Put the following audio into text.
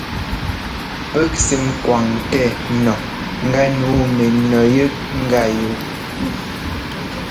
Pɛ́k sɛ́ ŋkwaŋtɛ nu gánǔu mɛnu yɛk ŋká yɔ.